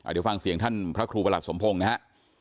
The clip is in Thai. เดี๋ยวฟังเสียงท่านพระครูประหลัดสมพงศ์นะฮะ